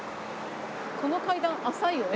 この階段浅いよね。